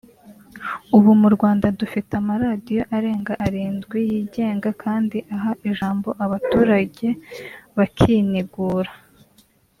Ubu mu Rwanda dufite amaradiyo arenga arindwi yigenga kandi aha ijambo abaturage bakinigura